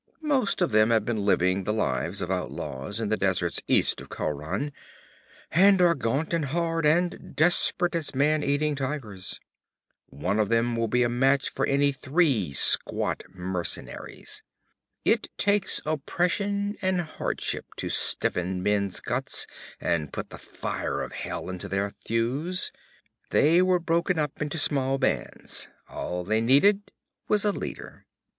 Most of them have been living the lives of outlaws in the deserts east of Khauran, and are gaunt and hard and desperate as man eating tigers. One of them will be a match for any three squat mercenaries. It takes oppression and hardship to stiffen men's guts and put the fire of hell into their thews. They were broken up into small bands; all they needed was a leader.